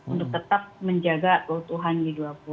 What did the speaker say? untuk tetap menjaga keutuhan g dua puluh